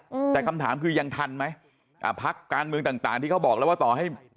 อืมแต่คำถามคือยังทันไหมอ่าพักการเมืองต่างต่างที่เขาบอกแล้วว่าต่อให้